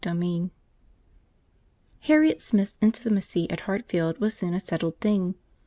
CHAPTER IV Harriet Smith's intimacy at Hartfield was soon a settled thing.